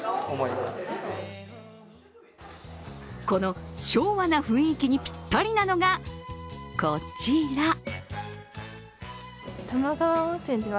この昭和な雰囲気にぴったりなのが、こちら。